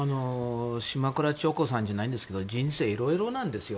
島倉千代子さんじゃないんですけど人生いろいろなんですよ。